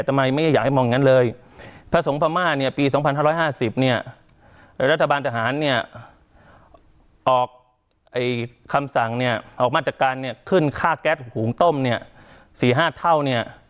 ทำไมไม่อยากให้มองอย่างนั้นเลยพระสงฆ์พม่าเนี่ยปี๒๕๕๐เนี่ยรัฐบาลทหารเนี่ยออกคำสั่งเนี่ยออกมาตรการเนี่ยขึ้นค่าแก๊สหุงต้มเนี่ย๔๕เท่าเนี่ย